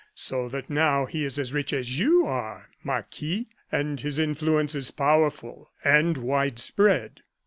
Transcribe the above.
So that now he is as rich as you are, Marquis, and his influence is powerful and widespread.